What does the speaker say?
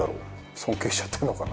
尊敬しちゃってるのかな？